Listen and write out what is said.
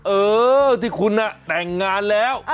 เออที่คุณแต่งงานแล้ว